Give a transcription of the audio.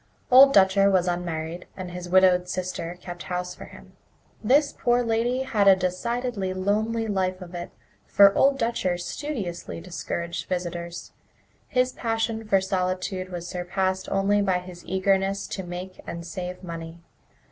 Old Dutcher was unmarried, and his widowed sister kept house for him. This poor lady had a decidedly lonely life of it, for Old Dutcher studiously discouraged visitors. His passion for solitude was surpassed only by his eagerness to make and save money.